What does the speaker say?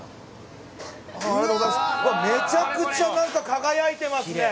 めちゃくちゃなんか輝いてますね！